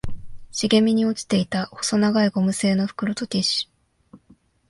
茂みに落ちていた細長いゴム製の袋とティッシュ